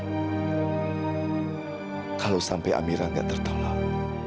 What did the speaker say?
amira kalau sampai amira nggak tertolong